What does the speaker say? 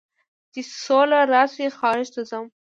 چې سوله راشي خارج ته ځم